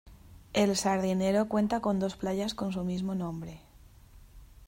El Sardinero cuenta con dos playas con su mismo nombre.